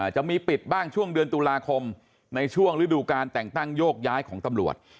จะมีปิดบ้างช่วงเดือนตุลาคมในช่วงฤดูการแต่งตั้งโยกย้ายของตำรวจ